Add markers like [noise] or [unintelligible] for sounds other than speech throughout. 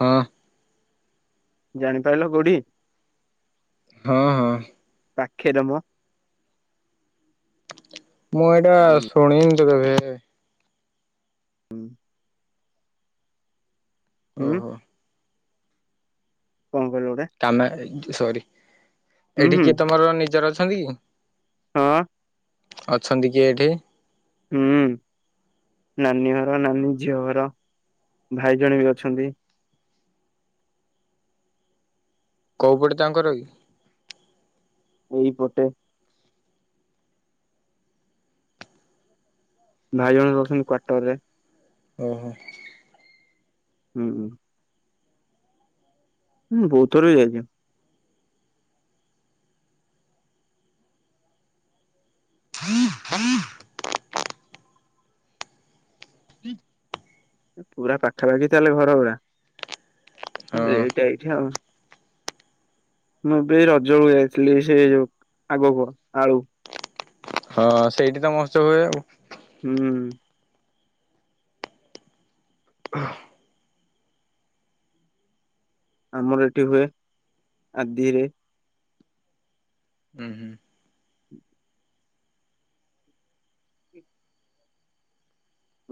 ହଁ। ଜାଣିପାରିଲ କଉଠି? ହଁ ହଁ। ପାଖେରେ ମ। ମୁଁ ଏଇଟା ହୁଁ ଶୁଣି। ବେ। [unintelligible] ହୁଁ। ଓହୋ କଣ କହିଲ ଗୋଟେ ତମେ। ସରି। ହୁଁ ହୁଁ ଏଠିକି ତମର ନିଜର। ହଲି [unintelligible] ହଁ। ଅଛନ୍ତି କିଏ ଏଇଠି। ହୁଁ ନାନୀ ଘର ନାନୀ ଝିଅ ଘର ଭାଇ ଜଣେ ବି ଅଛନ୍ତି। କୋଉ ପଟେ ତାଙ୍କ ଘରକି। ଏଇପଟେ। ଭାଇ ଜଣେ ରହୁଛନ୍ତି କୱଟର ରେ। ଓ ହୋ। ହୁଁ ହୁଁ। ହୁଁ ବହୁତ ଥର ଯାଇଥିଲି। ପୁରା ପାଖାପାଖି ତାହଲେ ଘର ଗୁରା ହଁ ଏଇଟା ଏଠି ଆଉ। ମୁଁ ଏବେ ରଜକୁ ଯାଇଥିଲି ସେଇ ଯୋଉ ଆଗକୁ ଆଳୁ ହ ସେଇଠି ତ ମସ୍ତ ହୁଏ। ହୁଁ। ଆମର ଏଠି ହୁଏ ଆଦିରେ। ଆଉ ହୁଁ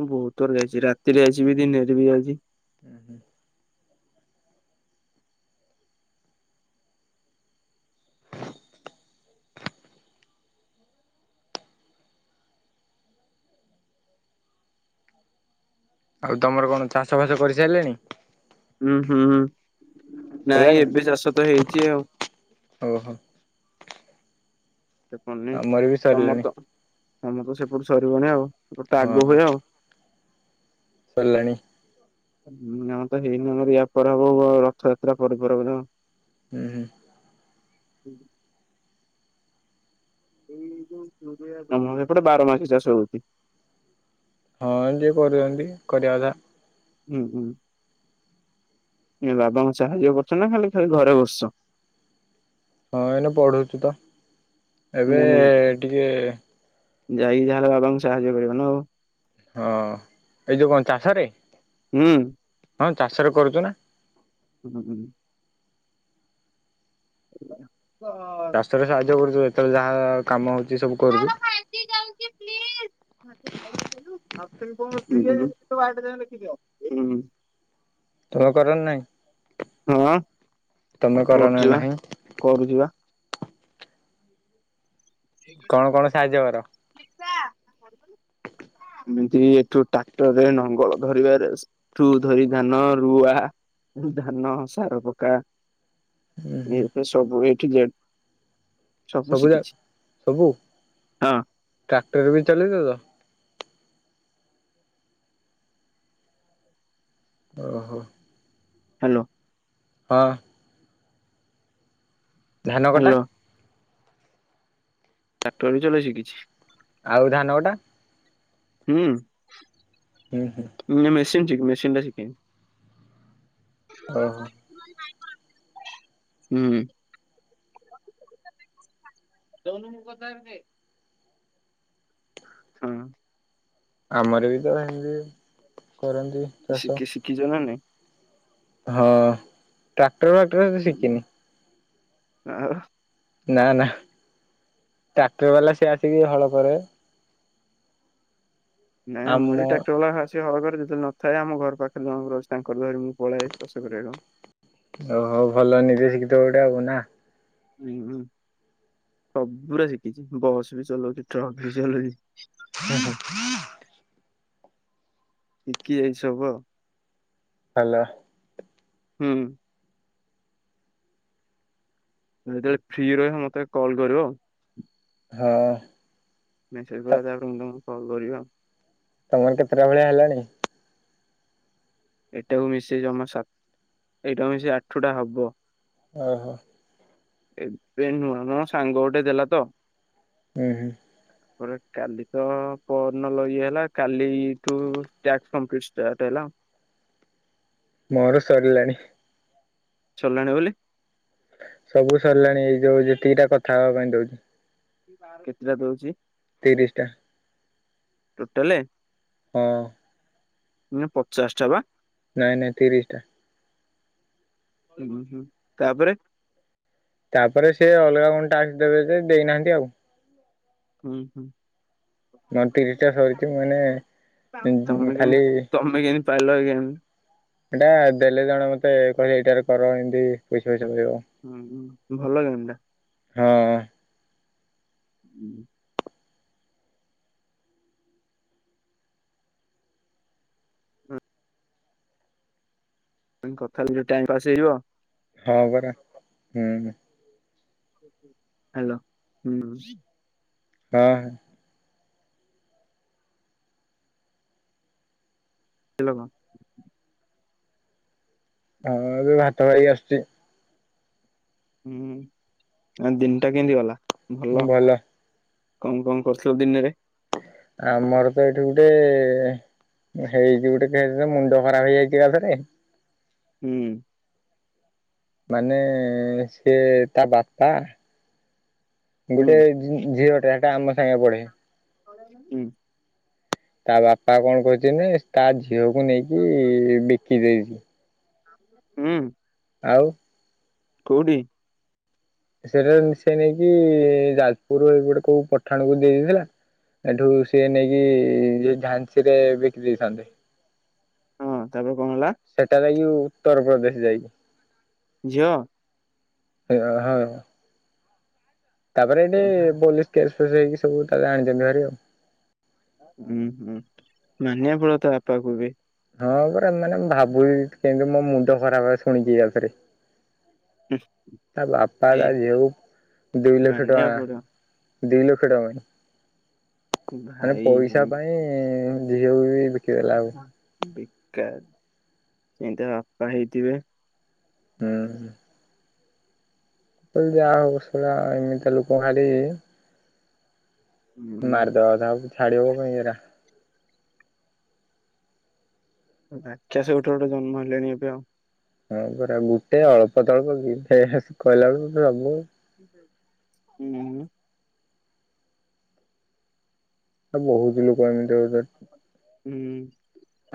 ମୁଁ ବହୁତ ଥର ଯାଇଛି ରାତିରେ ଆଇଛି ବି ଦିନରେ ବି ଆଇଚି। ହୁଁ ଆଉ ତମର କଣ ଚାଷ ବାସ କରିସାରିଲେଣି? ହୁଁ ହୁଁ ହୁଁ। ନାଇଁ ସରିଲାଣି ଏବେ ଚାଷ ତ ହେଇଛି ଆଉ। ଓହୋ ଚପଣି ଆମର ବି ସରିଲାଣି ମସ୍ତ। [unintelligible] ତମର ତ ସେପଟୁ ସରିବଣି ଆଉ। ଗୋଟେ ଆଗ ହଁ ହୁଏ ଆଉ। ସରିଲାଣି। ଆମର ତ ହେଇନି ୟା ପରେପରେ ହବ, ରଥଯାତ୍ରା ପରେପରେ ବୋଧେ ହୁଁ। [unintelligible] ଏଇୋଉ ନ ଏପଟେ ବାର ମାସୀ ଚାଷ ହ‌ଉଚି। [unintelligible] ହଁ ଯିଏ କରୁଛନ୍ତି କରିବା କଥା। ହୁଁ ହୁଁ ଏ ବାବାଙ୍କ ସାହାଯ୍ୟ କରୁଛ ନା ଖାଲି ଖାଇ ଘରେ ଵସିଚ? ହଁ ଏଇନ ପଢୁଛୁ ତ। ଏବେ ନା ନାଇଁ? ଟିକେ। ଯାଇକି ତାହେଲେ ବାବାଙ୍କୁ ସାହାଯ୍ୟ କରିଵ ନା ଆଉ ହଁ ଏ ଯୋଉ କଣ ଚାଷରେ ହୁଁ। ହଁ ଚାଷରେ କରୁଚୁ ନା ହୁଁ ହୁ। ହଁ। [unintelligible] ଚାଷରେ ସାହାଯ୍ୟ କରୁଥିବେ। ଯେତେବେଳେ ଯାହା କାମ ହଉଚି [unintelligible] କିଏ କଣ ରେ ଲେଖିଦିଅ। [unintelligible] ତୁମ କରର ନାହିଁ। [unintelligible] ହଁ। ତମେ କରନା ନାହିଁ? କରୁଛି ବା। କଣ କଣ ସାହାଯ୍ୟ କର? ଏମିତି ଏଠୁ ଟ୍ରାକ୍ଟରରେ ନଙ୍ଗଳ ଧରିବାରେ ଏଠୁ ଧରି ଧାନ ରୁଆ ଧାନ ସାର ପକା ଉୁଁ ଏଇ ହୁଁ ତ ସବୁ ଏ ଜେଟ୍। [unintelligible] ସବୁ ଶିଖିଛି। ସବୁ, ହଁ ଟ୍ରାକ୍ଟର ବି ଚଲେଇଦଉଛ। ଓ ହୋ। ହାଲୋ। ହଁ। ଧାନ କଟା। ହ୍ୟାଲୋ ଟ୍ରାକ୍ଟଟର ଚଲା ଶିଖିଛି। ଆଉ ଧାନ କଟା। ହୁଁ। ହୁଁ ହୁଁ। ଚେନ ସିକିଛି ମେସିିନ୍ ଟା ସିକିନି। ଓହୋ [inaudible] ହୁଁ। ଦଉନୁ ମୁଁ କଥାହେବି ଦେ ହଁ। ଆମର ବି ତ ହେନତି। ଶିକି ଶିଖିଛ ନା ନାହିଁ। ହଁ ଟାକ କ୍ଟର ବାକ୍ଟର ଶିଖିନି। ଆ ନା ନା ଟ୍ରାକ୍ଟର ବାଲା ସେ ଆସିକି ହଳ କରେ। ନାଇଁ ଆମର ଆମ ଟ୍ରାକ୍ଟର ବାଲା ଖା କି ହଳ ଘର ଯେତେବେଳେ ନଥାଏ, ଆମ ଘର ପାଖରେ ଜଣଙ୍କର ଅଛି ତାଙ୍କର ଧରି ମୁଁ ପଳାଏ ଚାଷ କରିବାକୁ। ଓହୋ ଭଲ ନିଜେ ଶିଖିଥିବ ଗୋଟେ ଆଉ ନା। ହୁଁ ହଁ ସବୁୁରା ଶିଖିଛି ବସ୍ ବି ଚଲାଉଛି ଟ୍ରକ ବି ଚଲଉ [inaudible] କି ଏଇସବୁ ଆଉ। ହେଲା। ହୁଁ। ଯେତେବେଳେ ଫ୍ରି ରହିବ ମତେ କଲ୍ କରିବ। ହଁ। ମ ସେ ତ ପୁର ଯା ତାପରେ ମୁଁ ତମକୁ କଲ୍ କରିବି ଆଉ। ତମର କେତେଟା ଭଳିଆ ହେଲାଣି। ଏଇଟାକୁ ମିଶେଇ ଜମା ଶା ଏଇଟା ମିଶେଇ ଆଠ ଟା ହବ। ଓ ହୋ। ଏବେ ନୁହଁ ମୋ ସାଙ୍ଗ ଗୋଟେ ଦେଲା ତ। ହୁଁ ହୁଁ। ପରେ କାଲି ତ ପହରିନ ଲ ଇଏ ହେଲା କାଲି କାଲି ଠୁ ସ୍ଟାଟ। କମ୍ଳିଟ ଷ୍ଟାଟ ହେଲା। ମୋର ସରିଲାଣି। ସରିଲାଣି ବୋଲି ସବୁ ସରିଲାଣି ଏଇ ଯୋଉ ଯେତିକିଟା କଥା ହବା ପାଇଁ ଦଉଛି। କେତେଟା ଦଉଚି? ତିରିଶି ଟା। ଟୋଟାଲେ। ହଁ। ପଚାଶ ଟା ବା? ନାଇଁ ନାଇଁ ତିରିଶି ଟା। ହୁଁ ତାପରେ ତାପରେ ସେ ଅଲଗା କଣ ଟାସ୍କ ଦେବେ ଯେ ଦେଇନାହାନ୍ତି ଆଉ। ହୁଁ ହୁଁ। ମୋର ତିରିଶ ଟା ସରିଛି ମାନେ ଖାଲି [inaudible] ତମେ କେମି ପାଇଲ ଗେମ୍। ଏଟା ଦେଲେ ଜଣେ ମତେ କହିଲେ ଏଇଟାରେ କର ଏମିତି ପଇସା ଫ ହୁଁ ହୁଁ। ଭଲ ଗେମ୍ ଟା। ହଁ। [unintelligible] ମୁଁ କହିଲି କଥା ହେଲେ ଟାଇମ୍ ପାସ୍ ହେଇଯିବ। ହଁ ପରା ହୁଁ। ହ୍ୟାଲୋ ହୁଁ। ହଁ। ହେଲୋ କ ହଁ ଏବେ ଭାତ ଖାଇକି ଆସିଚି। ହୁଁ ଆଜି ଦିନଟା କେମିତି ଗଲା। ଭଲ। କଣ କଣ କରୁଥିଲ ଦିନରେ? ଆମର ତ ଏଇଠି ଗୋଟେ ହେଇଛି ଗୋଟେ କେସ୍ ଯେ ମୁଣ୍ଡ ଖରାପ ହେଇଯାଇଛି ଏକାଥରେ। ହୁଁ। ମାନେ ସେ ତା ବାପା ହୁଁ ଗୋଟେ ଝିଅ। ସେଟା ଆମ ସାଙ୍ଗେ ପଢ଼େ। ହୁଁ। ତା ବାପା କଣ କରିଛି ନା ତା ଝିଅକୁ ନେଇକି ବିକି ଦେଇଛି। ହୁଁ। ଆଉ। କଉଠି? ସେଟା ସିଏ ନେଇକି ଯାଜପୁର ଏଇପଟେ କୋଉ ପଠାଣକୁ ଦେଇ ଦେଇଥିଲା ଏଠୁ ସିଏ ନେଇକି ଯ ଝାନ୍ସିରେ ବିକି ଦେଇଥାନ୍ତେ। ହଁ ତାପ ସେଟା ଲାଗି ଉତ୍ତରପ୍ରଦେଶ ଯାଇକି। ଝିଅ। ସେ ହଁ। ତାପରେ ଏଠି ପୋଲିସ କେସ୍। ତ ସେ ଏଇ କି ସବୁ [inaudible] ଆଣି ଦେଲା ଘରେ ଆ ହୁଁ ହୁଁ ମାନିବା ପଡିବ ତ ବାପାକୁ ବି। ହଁ ପରା ମାନେ ମୁ ଭାବୁଛି କିନ୍ତୁ ମୋ ମୁଣ୍ଡ ଖରାପ ଶୁଣିକି ଆଉଥରେ। ହୁଁ, ତା ବାପା ଭାଇ ତା ଝିଅକୁ ଦୁଇ ଲକ୍ଷ ମାନିବାକୁ ପଡିବ। ଟଙ୍କା। ଦି ଲକ୍ଷ ଟଙ୍କା। ମାନେ ଭାଇ ପଇସା ପାଇଁ। ଝିଅକୁ ବି। [unintelligible] ବେକାର କେମିତିଆ ବାପା ହେଇଥିବେ। ହୁଁ। ଯ [unintelligible] ଏମିତି ଲୋକଙ୍କୁ ଖାଲି ହୁଁ ମାରିଦବା କଥା। ଛାଡ଼ିବ ପାଇଁ [inaudible] ରାକ୍ଷାସ ଗୋଟେ ଗୋଟେ ଜନ୍ମ ହେଲେଣିି ଏବେ ଆଉ। ହଁ ପରା ଗୋଟେ ଅଳ୍ପ ତଳ୍ପ କି କହିଲା ବେଳକୁ ସବୁ। ହୁଁ। ଆ ବହୁତ ଲୋକ ଏମିତି। ହୁଁ।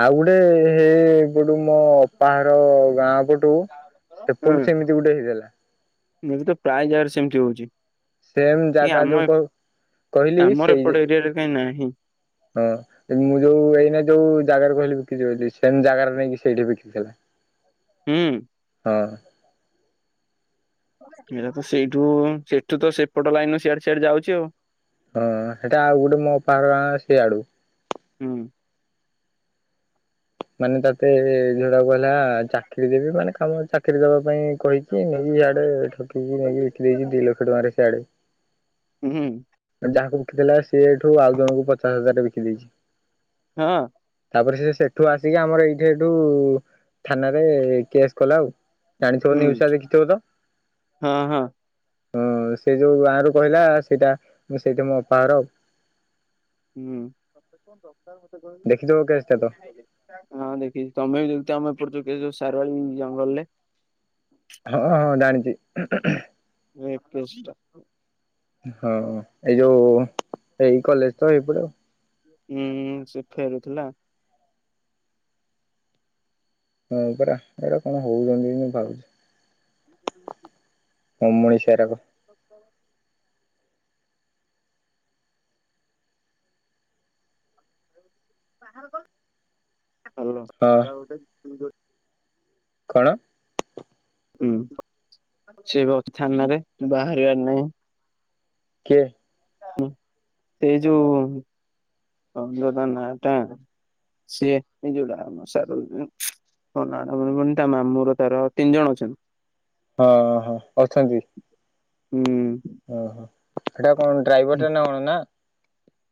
ଆଉ ହେ ଏପଟୁ ମୋ ଅପାହର ଗାଁ। ପଟୁ ସେପଟୁ ହଁ ସେମିତି ଗୋଟେ ହେଇଥିଲା। ଏବେ ତ ପ୍ରାୟ ଯାଗାରେ ସେମିତି ହଉଛି। ସେମ୍ ଏ ଜାଗା ଆମ ଯୋଉ କ କହିଲି ଆମର ସେଇ ଏପଟ ଏରିଆରେ କାହିଁ ନାହିଁ। ହଁ ମୁଁ ଯୋଉ ଏଇନ୍ ଯୋଉ ଜାଗାରେ କହିଲି ବିକିଛିି ବୋଲି ସେ ଜାଗାରେ ନେଇକି ସେଇଠି ବିକିଥିବେ। ହୁଁ। ହଁ। ଏରା ତ ସେଇଠୁ ସେଠୁ ତ ସେପଟ ଲାଇନ ସିଆଡେ ସିଆଡେ ଯାଉଛି ଆଉ। ହଁ ସେଟା ଆଉ ଗୋଟେ ମୋ ପାର ଗାଁ ସିଆଡୁ ହୁଁ। ମାନେ ତତେ ଯୋଉଡା କହିଲା ଚାକିରି ଦେବି ମାନେ କାମ ଚାକିରି ଦବା ପାଇଁ କହିକି ନେଇକି ସିଆଡେ ଠକେଇିକି ନେଇକି ବିକି ଦେଇେଇଛି ଦି ଲକ୍ଷ ଟଙ୍କାରେ ହୁଁ ସିଆଡେ ଯାହାକୁ ବିକିଥିଲା ସିଏ ଏଠୁ ଆଉ ଜଣଙ୍କୁ ପଚାଶ ହଜାରରେ ବିକି ଦେଇଛି। ହଁ। ତାପରେ ସେ ସେ ତୁ ଆସିକି ଆମର ଏଇଠି ଏଠୁ ଥାନାରେ କେସ୍ କଲା ଆଉ। ଜାଣିଥିବ ହୁଁ ନିଉଜ୍ ଟା ଦେଖିଥିବ ତ ହଁ ହଁ ହଁ ସେ ଯୋଉ ଗାଁରୁ କହିଲା ସେଇଟା ସେଇଠି ମୋ ଅପା ଘର ଆଉ। ହୁଁ। ଦେଖିଥିବ କେସ୍ ଟା ତ ହଁ ଦେଖିଛି ତମେ ବି ଯଦି ତମେ [inaudible] ଯୋଉ ସାରୁଆଳି ଜଙ୍ଗଲରେ। ହଁ ହଁ ଜାଣିଛି ଏ [inaudible] ହଁ ଏଇ ଯୋଉ ଏଇ କଲେଜ ତ ଏଇପଟେ ହୁଁ ସେ ଫେରୁଥିଲା। ହଁ ପରା ଏଇଟା କଣ ହଉଛନ୍ତି ମୁଁ ଭାବୁଛି। [inaudible] ଅମଣିଷିଆ ଗୁରାକ [inaudible] ବାହାର କଲ [inaudible] ହଁ ହାଲୋ କଣ ହୁଁ ସେ ବା ଥାନାରେ ବାହାରିବାର ନାହିଁ କିଏ ହୁଁ ସେ ଯୋଉ କଁତ ତା ନା ଟା ସିଏ ଏ ଯୋଉଟା ଆମ ସା କଁ ନା ଟା ମନେପଡୁନି ତା ମାମୁଁ ର ତାର ତିନି ଜଣ ଅଛନ୍ତି। ହଁ ହଁ ଅଛନ୍ତି। ହୁଁ ଓହୋ ସେଇଟା କଣ ଡ୍ରାଇଭର ଟା ନା କଣ ନା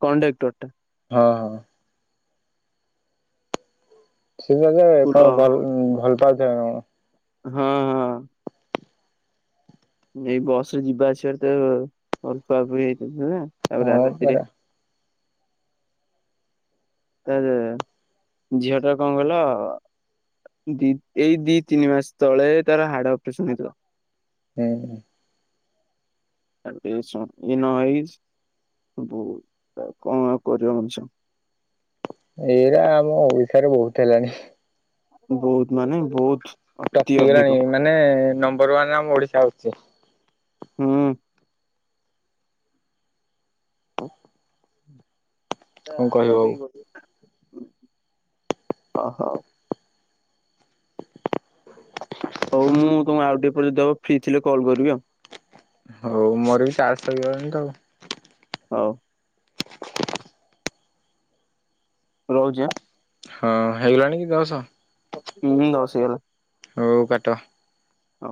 କଣ୍ଡକ୍ଟର୍ ଟା ହଁ ହଁ ସେ [unintelligible] କୁଲ କଣ ଭଲ ଭଲ ତ ଦେଲ ହଁ ହଁ। ଏଇ ବସ ରେ ଯିବା ଆସିବାରେ ତ [unintelligible] ହେଇଥିଲା ନା। ତାପରେ ହଁ ରାତିରେ ପରା ତା ଝିଅଟା କଣ କହିଲ ଦି ଏଇ ଦି ତିନି ମାସ ତଳେ ତାର ହାଡ ଅପରେସନ ହେଇଥିଲା। ହୁଁ ତାଠି ସଙ୍କିନ ହେଇଛି [unintelligible] କଣ ଆଉ କରିବ ମଣିଷ? ଏଇଟା ଆମ ଓଡିଶାରେ ବହୁତ ହେଲାଣି। ବହୁତ ମାନେ ବହୁତ ଅତି ଟପିଗଲାଣି ଅଧିକ ମାନେ ନମ୍ବର ୱାନରେ ଆମ ଓଡିଶା ଆସୁଛି। ହୁଁ। ହେ କଣ କହିବ ହାଣ୍ଡିଆ ଆଉ ପିଇକି ବସିଛି ନା ଅହ ହଉ। ହଉ ମୁଁ ତମକୁ ଆଉ ଟିକେ ପରେ ଫ୍ରି ଥିଲେ କଲ୍ କରିବି ଆଉ ହଉ ମୋର ବି ଚାର୍ଜ ସଗଲାଣି ତ ଆଉ। ହଉ। ରହୁଛି ହଁ। ହଁ ହେଇଗଲାଣି କି ଦଶ? ହୁଁ ଦଶ ହେଇଗଲାଣି। ହଉ କାଟ। ହଁ।